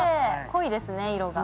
◆濃いですね、色が。